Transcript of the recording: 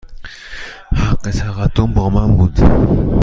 حق تقدم با من بود.